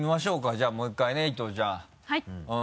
じゃあもう１回ね伊藤ちゃん。